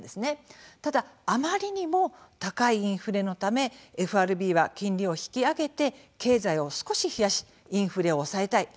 ただ、あまりにも高いインフレのためＦＲＢは金利を引き上げて経済を少し冷やしインフレを抑えたい。